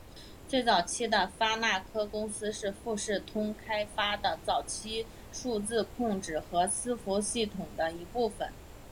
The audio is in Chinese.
最早期的发那科公司是富士通开发的早期数字控制和伺服系统的一部分。